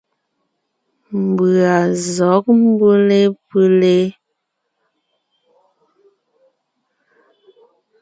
Mbʉ̀a zɔ̌g mbʉ́le ?